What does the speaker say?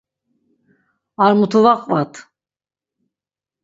Ar mutu va qvat.